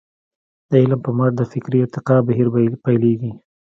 د علم په مټ د فکري ارتقاء بهير پيلېږي.